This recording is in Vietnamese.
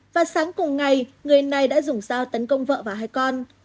và sáng cùng ngày người này đã dùng dao tấn công vợ và hai con